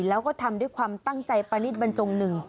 แล้วก็ทำด้วยความตั้งใจประนิษฐบรรจงหนึ่ง